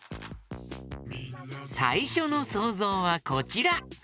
さいしょのそうぞうはこちら。